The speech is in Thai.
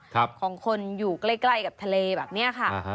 ของคนอยู่ใกล้กับทะเลแบบนี้ค่ะ